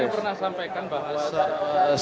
saya pernah sampaikan bahwa